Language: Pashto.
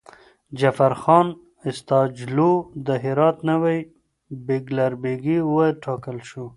جعفرخان استاجلو د هرات نوی بیګلربيګي وټاکل شو.